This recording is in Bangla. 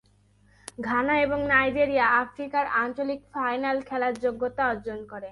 ঘানা এবং নাইজেরিয়া আফ্রিকার আঞ্চলিক ফাইনাল খেলার যোগ্যতা অর্জন করে।